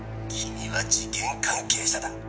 君は事件関係者だ」